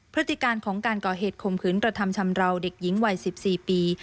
พฤติการของการก่อเหตุข่มขืนกระทำชำราวเด็กหญิงวัย๑๔ปี